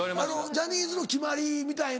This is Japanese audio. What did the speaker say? ジャニーズの決まりみたいな。